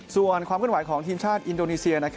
ส่วนความขึ้นไหวของทีมชาติอินโดนีเซีย